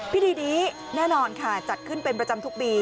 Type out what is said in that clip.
พิธีนี้แน่นอนค่ะจัดขึ้นเป็นประจำทุกปี